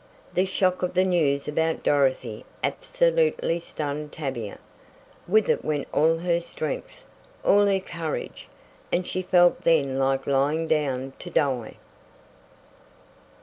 The shock of the news about Dorothy absolutely stunned Tavia. With it went all her strength, all her courage, and she felt then like lying down to die!